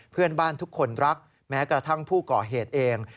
เพื่อนบ้านทุกคนรักแม้กระทั่งผู้ก่อเหตุเอง